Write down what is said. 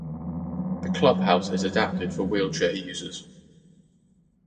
The clubhouse is adapted for wheelchair users.